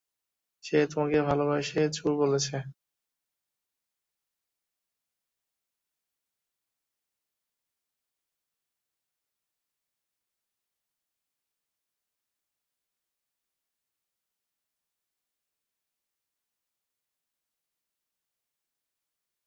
সে তোমাকে ভালোবেসে চোর বলেছে।